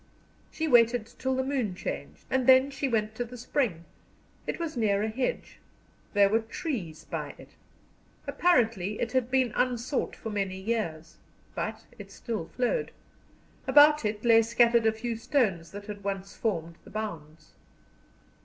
She waited till the moon changed, and then she went to the spring. It was near a hedge; there were trees by it. Apparently it had been unsought for many years. But it still flowed. About it lay scattered a few stones that had once formed the bounds.